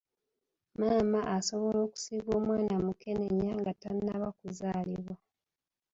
Maama asobola okusiiga omwana mukenenya nga tannaba kuzaalibwa.